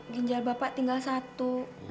ginjal bapak tinggal satu